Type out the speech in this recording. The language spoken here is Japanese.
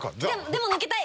でも抜けたい！